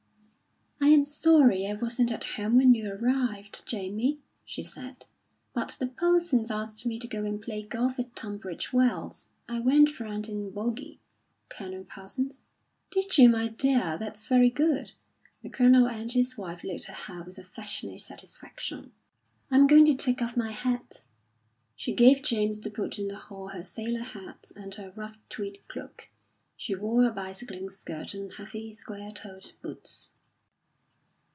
"I am sorry I wasn't at home when you arrived, Jamie," she said; "but the Polsons asked me to go and play golf at Tunbridge Wells. I went round in bogy, Colonel Parsons." "Did you, my dear? That's very good." The Colonel and his wife looked at her with affectionate satisfaction. "I'm going to take off my hat." She gave James to put in the hall her sailor hat and her rough tweed cloak. She wore a bicycling skirt and heavy, square toed boots.